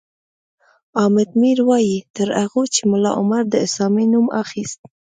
حامد میر وایي تر هغو چې ملا عمر د اسامه نوم اخیست